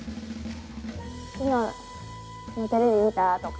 「昨日テレビ見た？」とか。